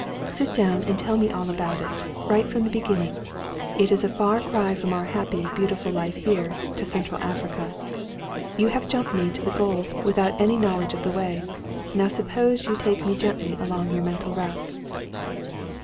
Sit down and tell me all about it, right from the beginning. It is a far cry from our happy, beautiful life here, to Central Africa. You have jumped me to the goal, without any knowledge of the way. Now suppose you take me gently along your mental route."